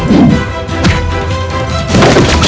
tidak ada apa apa